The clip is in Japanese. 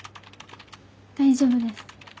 大丈夫です。